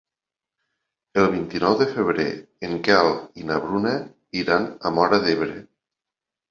El vint-i-nou de febrer en Quel i na Bruna iran a Móra d'Ebre.